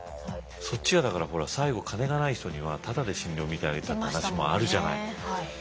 そっちがだからほら最後金がない人にはタダで診療診てあげたって話もあるじゃない？